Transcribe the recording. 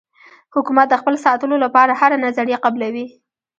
حکومت د خپل ساتلو لپاره هره نظریه قبلوي.